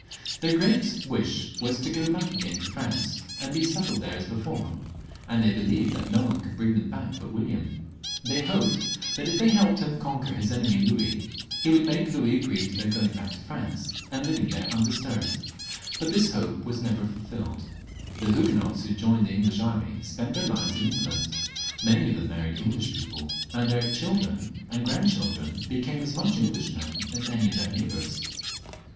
Their great wish was to go back again to France and be settled there as before, and they believed that no one could bring them back but William. They hoped that if they helped him to conquer his enemy Louis, he would make Louis agree to their going back to France, and living there undisturbed ; but this hope was never ful filled. The Huguenots who had joined the English army spent their lives in England ; many of them married Eng lish people, and their children and grandchildren became as much Englishmen as any of their neighbours.